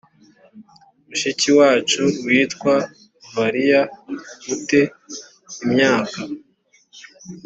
mushiki wacu witwa valya u te imyaka